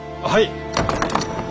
はい！